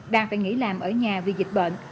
đang phải nghỉ làm ở nhà vì dịch bệnh